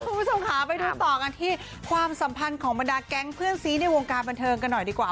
คุณผู้ชมค่ะไปดูต่อกันที่ความสัมพันธ์ของบรรดาแก๊งเพื่อนซีในวงการบันเทิงกันหน่อยดีกว่า